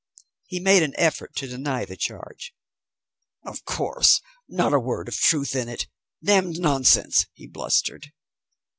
He made an effort to deny the charge. "Of course. Not a word of truth in it. Damned nonsense," he blustered.